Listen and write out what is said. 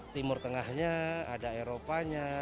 timur tengahnya ada eropanya